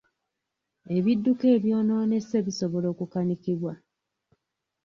Ebidduka ebyonoonese bisobola okukanikibwa.